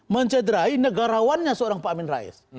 mencederai negarawannya seorang pak amin rais